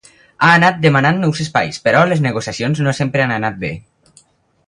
Ha anat demanant nous espais, però les negociacions no sempre han anat bé.